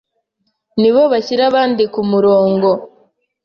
nibo bashyira abandi ku murongo.